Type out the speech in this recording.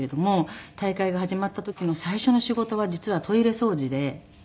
大会が始まった時の最初の仕事は実はトイレ掃除で。